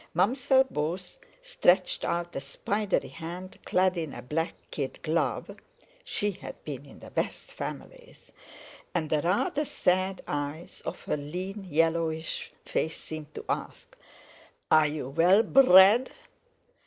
Mam'zelle Beauce stretched out a spidery hand clad in a black kid glove—she had been in the best families—and the rather sad eyes of her lean yellowish face seemed to ask: "Are you well brrred?"